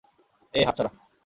এ, হাত সরা।